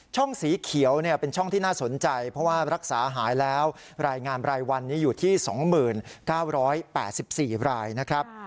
สีเขียวเป็นช่องที่น่าสนใจเพราะว่ารักษาหายแล้วรายงานรายวันนี้อยู่ที่๒๙๘๔รายนะครับ